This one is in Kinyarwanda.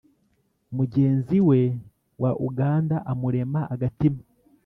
mugenzi we wa uganda amurema agatima,